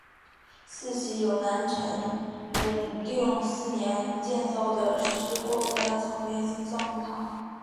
寺西有南陈永定四年建造的石构单层圆形藏骨塔。